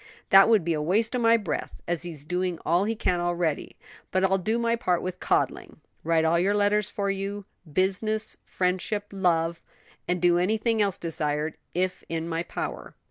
"That would be a waste of breath, as he's doing all he can already; but I'll do my part with coddling, write all your letters for you business, friendship, love and do anything else desired; if in my power."